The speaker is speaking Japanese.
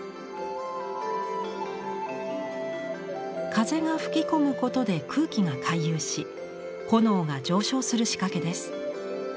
風が吹き込むことで空気が回遊し炎が上昇する仕掛けです。